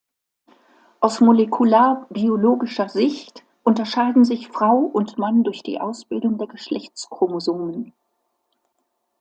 Aus molekularbiologischer Sicht unterscheiden sich Frau und Mann durch die Ausbildung der Geschlechtschromosomen.